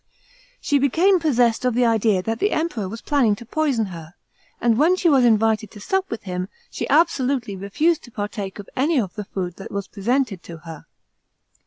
She became possessed of the idea that the Em|»eror was planning to poison her, and when she was invited to sup with him, she absolutely refused to partake of any of th food that was presented to her.